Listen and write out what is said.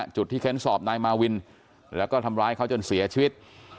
จุดที่เค้นสอบนายมาวินแล้วก็ทำร้ายเขาจนเสียชีวิต